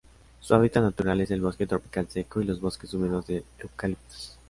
Su hábitat natural es el bosque tropical seco y los bosques húmedos de eucaliptos.